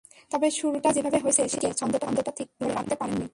তবে শুরুটা যেভাবে হয়েছে, শেষ দিকে ছন্দটা ঠিক ধরে রাখতে পারেননি।